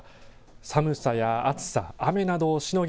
寒さや暑さ、雨などをしのぎ